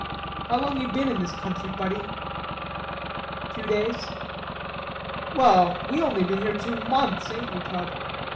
"How long you been in this country, buddy?" "Two days." "Well, we only been here two months, ain't we, Tub?"